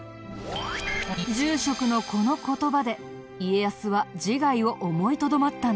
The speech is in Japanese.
住職のこの言葉で家康は自害を思いとどまったんだね。